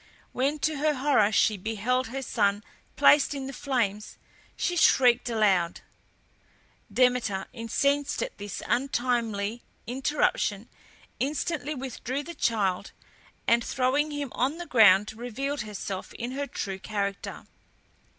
When to her horror she beheld her son placed in the flames, she shrieked aloud. Demeter, incensed at this untimely interruption, instantly withdrew the child, and throwing him on the ground, revealed herself in her true character.